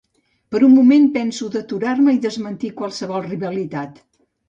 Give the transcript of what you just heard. Per un moment penso d'aturar-me i desmentir qualsevol rivalitat.